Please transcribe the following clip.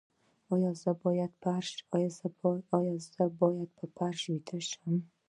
ایا زه باید په فرش ویده شم؟